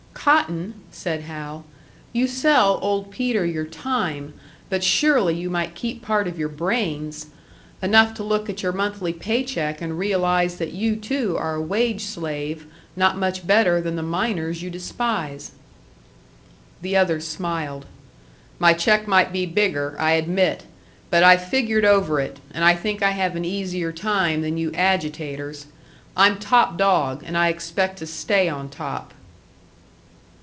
"Cotton," said Hal, "you sell Old Peter your time but surely you might keep part of your brains! Enough to look at your monthly pay check and realise that you too are a wage slave, not much better than the miners you despise." The other smiled. "My check might be bigger, I admit; but I've figured over it, and I think I have an easier time than you agitators. I'm top dog, and I expect to stay on top."